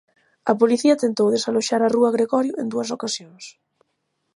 A policía tentou desaloxar a rúa Gregorio en dúas ocasións.